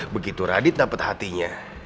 begitu radit dapet hatinya